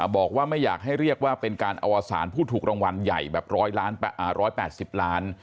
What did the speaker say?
บอกว่าไม่อยากให้เรียกว่าเป็นการเอาอวสารผู้ถูกรางวัลใหญ่แบบร้อยล้านร้อยแปดสิบล้าน